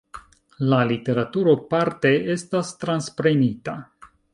La literaturo parte estas transprenita.